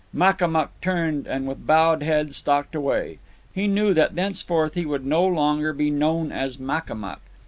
Makamuk turned, and with bowed head stalked away. He knew that thenceforth he would be no longer known as Makamuk.